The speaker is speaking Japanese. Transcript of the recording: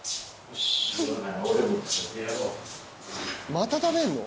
また食べんの？